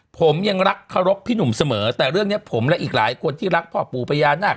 ผมยังรักเคารพพี่หนุ่มเสมอแต่เรื่องนี้ผมและอีกหลายคนที่รักพ่อปู่พญานาค